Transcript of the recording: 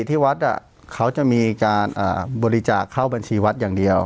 ที่วัดเขาจะมีการบริจาคเข้าบัญชีวัดอย่างเดียว